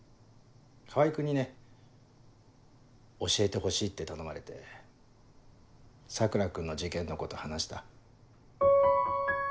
川合君にね教えてほしいって頼まれて桜君の事件のこと話した。